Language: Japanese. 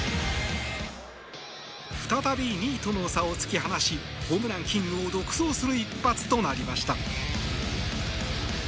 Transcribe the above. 再び２位との差を突き放しホームランキングを独走する一発となりました。